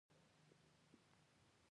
طالبان د همدغسې لیدلوري زېږنده دي.